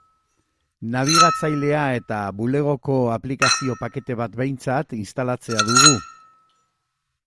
Nabigatzailea eta Bulegoko aplikazio-pakete bat behintzat instalatzea dugu.